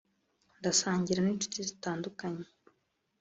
ndasangira n’inshuti zitandukanye